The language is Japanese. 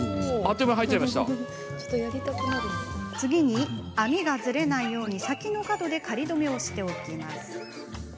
次に網が、ずれないように先の角で仮留めをしておきます。